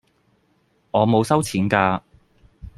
我冇收錢㗎